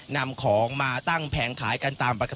นำของมาตั้งแผงขายกันตามปกติ